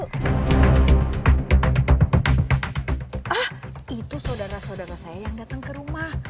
ah itu saudara saudara saya yang datang ke rumah